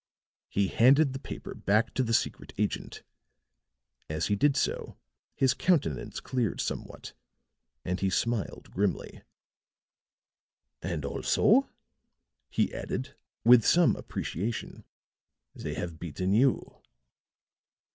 He handed the paper back to the secret agent; as he did so his countenance cleared somewhat, and he smiled grimly. "And also," he added with some appreciation, "they have beaten you."